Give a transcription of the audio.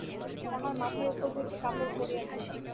তাহার মাথার উপর হইতে কাপড় পড়িয়া গেল।